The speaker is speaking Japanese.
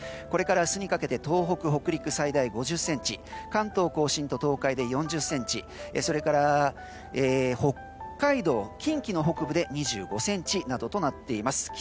これから明日にかけて東北、北陸最大５０ｃｍ関東・甲信と東海で４０ｃｍそれから北海道と近畿北部で２５ｃｍなどとなっています。